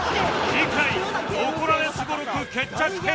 次回怒られすご録決着編